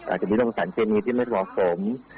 อาจจะมีลงสารเชียนนี้ที่ไม่สวบสม